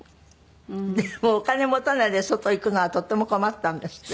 でもお金持たないで外行くのはとっても困ったんですって？